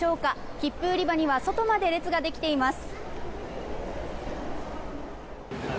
切符売り場には外まで列ができています。